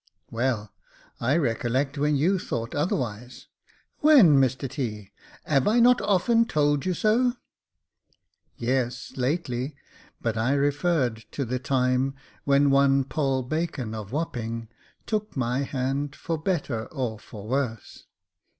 " Well, I recollect when you thought otherwise." *' When, Mr T. ? 'ave I not often told you so ?"" Yes, lately ; but I referred to the time when one Poll Bacon of Wapping took my hand for better or for worse."